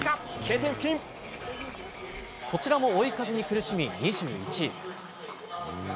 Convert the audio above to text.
こちらも追い風に苦しみ２１位。